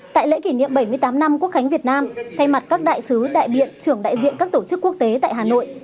tại lễ kỷ niệm bảy mươi tám năm quốc khánh việt nam thay mặt các đại sứ đại biện trưởng đại diện các tổ chức quốc tế tại hà nội